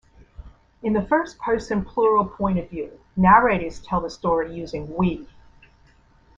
In the first-person-plural point of view, narrators tell the story using "we".